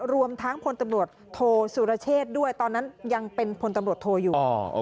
รวมทั้งพลตำรวจโทสุรเชษด้วยตอนนั้นยังเป็นพลตำรวจโทอยู่